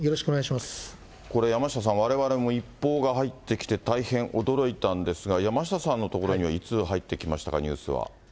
これ、山下さん、われわれも一報が入ってきて大変驚いたんですが、山下さんのところにはいつ入ってきましたか、ニュースは。